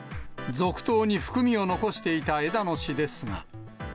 続投に含みを残していた枝野氏ですが。